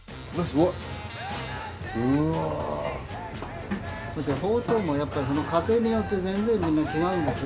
ほうとうもやっぱり家庭によって全然みんな違うんです。